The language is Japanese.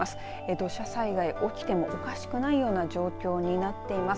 土砂災害起きてもおかしくないような状況になっています。